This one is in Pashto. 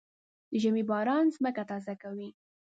د ژمي باران ځمکه تازه کوي.